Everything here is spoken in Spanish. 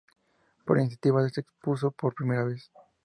Por iniciativa de este expuso por primera vez.